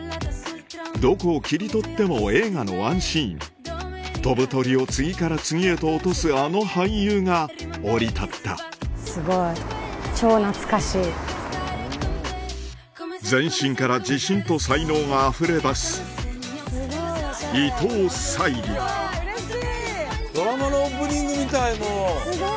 どこを切り取っても映画のワンシーン飛ぶ鳥を次から次へと落とすあの俳優が降り立った全身から自信と才能があふれ出すドラマのオープニングみたい。